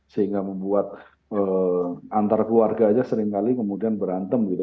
sehingga membuat antar keluarga aja seringkali kemudian berantem gitu